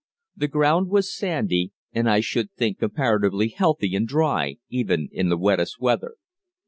The ground was sandy, and I should think comparatively healthy and dry even in the wettest weather.